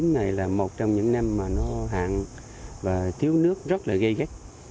năm hai nghìn một mươi chín này là một trong những năm mà nó hạn và thiếu nước rất là gây ghét